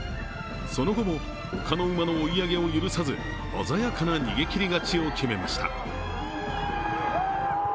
その後も、ほかの馬の追い上げを許さず鮮やかな逃げ切り勝ちを決めました。